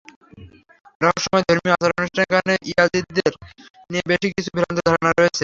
রহস্যময় ধর্মীয় আচার-অনুষ্ঠানের কারণে ইয়াজিদিদের নিয়ে বেশ কিছু ভ্রান্ত ধারণা রয়েছে।